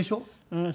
うん。